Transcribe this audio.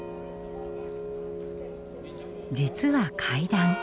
実は階段。